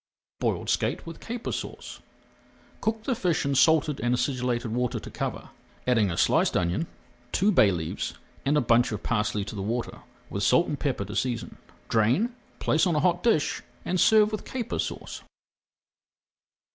BOILED SKATE WITH CAPER SAUCE Cook the fish in salted and acidulated water to cover, adding a sliced onion, two bay leaves, and a bunch of parsley to the water, with salt and pepper to season. Drain, place on a hot dish, and serve with Caper Sauce.